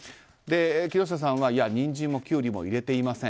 木下さんはニンジンもキュウリも入れていません